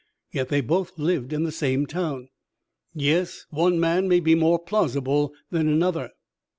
Yet they both lived in the same town." "Yes, one man may be more plausible than another."